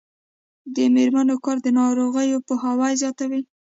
د میرمنو کار د ناروغیو پوهاوی زیاتوي.